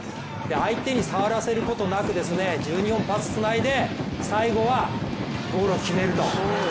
相手に触らせることなく自分にもパスをつないで最後はゴールを決めると。